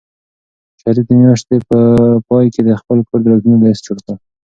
شریف د میاشتې په پای کې د خپل کور د لګښتونو لیست جوړ کړ.